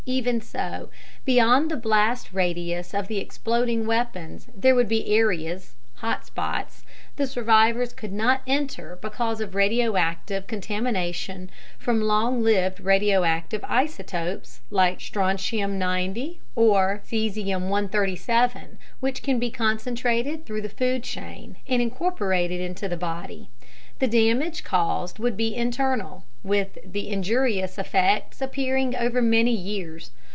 Even so, beyond the blast radius of the exploding weapons there would be areas ("hot spots") the survivors could not enter because of radioactive contamination from long lived radioactive isotopes like strontium 90 or cesium 137, which can be concentrated through the food chain and incorporated into the body. The damage caused would be internal, with the injurious effects appearing over many years.